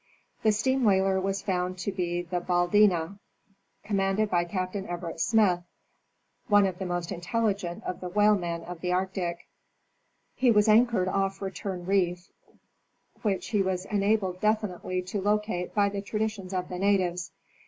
The steam whaler was found to be the Baleena, <catnianced by Captain Everett Smith, one of the most intelligent of the whale men of the Arctic. He was anchored off Return reef, which he was enabled definitely to locate by the traditions of the natives.